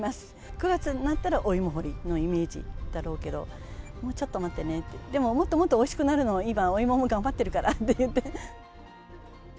９月になったら、お芋掘りのイメージだろうけど、もうちょっと待ってねって、でももっともっとおいしくなるよう、今、お芋も頑張ってるからっていって。